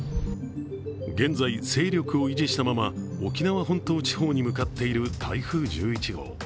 現在、勢力を維持したまま沖縄本島地方に向かっている台風１１号。